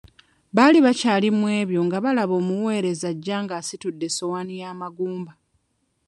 Baali bakyali mu ebyo nga balaba omuweereza ajja ng'asitudde essowaani y'amagumba.